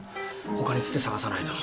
他のつて探さないと。